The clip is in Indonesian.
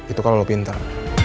itu kalau lo pintar